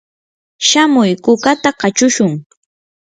shamuy kukata kachushun.